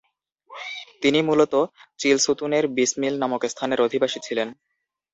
তিনি মূলত চিলসুতুনের বিসমিল নামক স্থানের অধিবাসী ছিলেন।